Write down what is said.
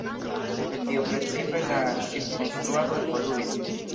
El tio precipe la ŝipkonstruado evoluis.